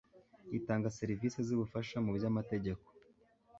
itanga serivisi z ubufasha mu by amategeko